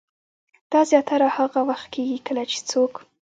دا زياتره هاغه وخت کيږي کله چې څوک